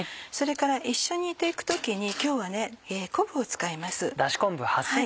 それから一緒に煮て行く時に今日は昆布を使います。